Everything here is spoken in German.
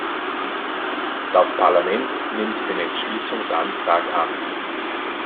Das Parlament nimmt den Entschließungsanstrag an.